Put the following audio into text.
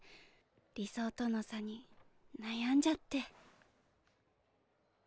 理想との差に悩んじゃって。